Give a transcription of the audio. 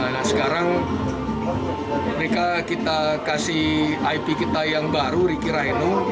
nah sekarang mereka kita kasih ip kita yang baru ricky rino